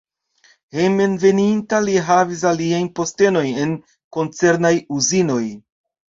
Hejmenveninta li havis altajn postenojn en koncernaj uzinoj.